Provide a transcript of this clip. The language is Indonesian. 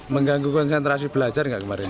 mengganggu konsentrasi belajar nggak kemarin